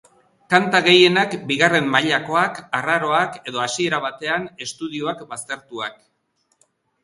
Kanta gehienak bigarren mailakoak, arraroak edo hasiera batean estudioak baztertuak.